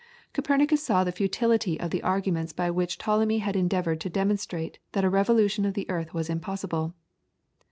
Copernicus saw the futility of the arguments by which Ptolemy had endeavoured to demonstrate that a revolution of the earth was impossible.